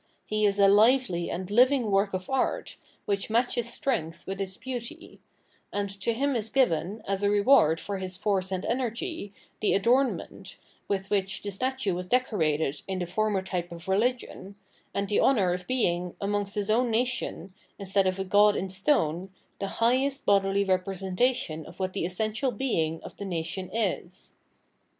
He is a lively and living work of art, which matches strength with its beauty; and to him is given, as a reward for his force and energy, the adornment, with which the statue was decorated [in the former type of rehgion], and the honour of being, amongst his own nation, instead of a god in stone, the highest bodily representation of what the essential Being of the nation is.